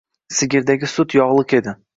Sigirdagi sut yog'lik edi